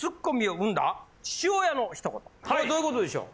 これどういうことでしょう？